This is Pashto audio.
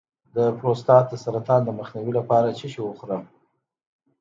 د پروستات د سرطان مخنیوي لپاره څه شی وخورم؟